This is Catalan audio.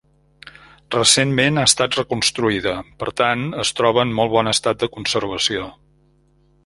Recentment ha estat reconstruïda, per tant es troba en molt bon estat de conservació.